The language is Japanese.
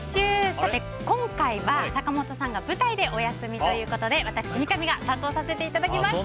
今回は、坂本さんが舞台でお休みということで私、三上が担当させていただきます。